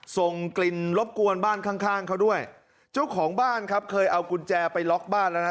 ส่งกลิ่นรบกวนบ้านข้างข้างเขาด้วยเจ้าของบ้านครับเคยเอากุญแจไปล็อกบ้านแล้วนะ